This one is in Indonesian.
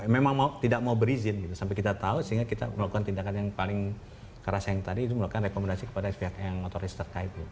memang tidak mau berizin sampai kita tahu sehingga kita melakukan tindakan yang paling keras yang tadi itu melakukan rekomendasi kepada pihak yang otories terkait